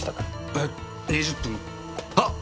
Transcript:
え２０分あっ！？